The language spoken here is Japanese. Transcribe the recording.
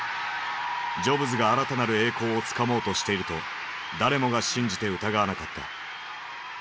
ジョブズが新たなる栄光をつかもうとしていると誰もが信じて疑わなかった。